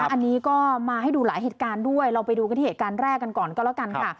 อันนี้ก็มาให้ดูหลายเหตุการณ์ด้วยเราไปดูกันที่เหตุการณ์แรกกันก่อนก็แล้วกันค่ะ